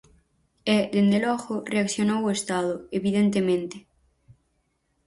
E, dende logo, reaccionou o Estado, evidentemente.